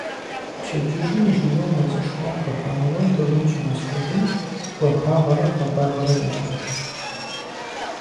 Пщэдджыжьым жьыуэ мэзышхуэм хыхьауэ дыгъэм щымысхьыжу гуапагъэрэ хуабагъэрэ егуэш.